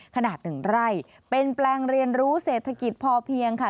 ขนาดหนึ่งไร่เป็นแปลงเรียนรู้เศรษฐกิจพอเพียงค่ะ